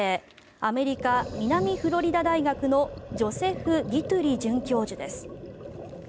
アメリカ、南フロリダ大学のジョセフ・ディトゥリ准教授です。